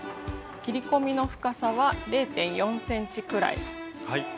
切り込みの深さは０．４ｃｍくらい。